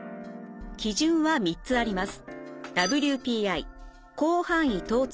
基準は３つあります。